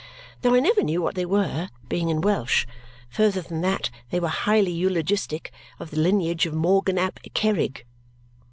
Though I never knew what they were (being in Welsh), further than that they were highly eulogistic of the lineage of Morgan ap Kerrig.